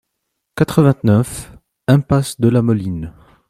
quatre-vingt-neuf impasse de la Moline